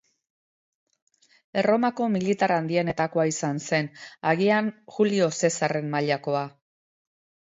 Erromako militar handienetakoa izan zen, agian Julio Zesarren mailakoa.